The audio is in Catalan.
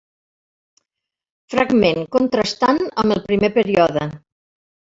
Fragment contrastant amb el primer període.